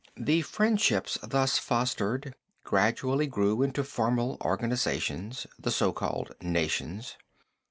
The friendships thus fostered gradually grew into formal organizations, the so called "nations."